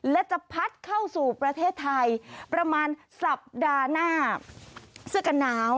และจะพัดเข้าสู่ประเทศไทยประมาณสัปดาห์หน้า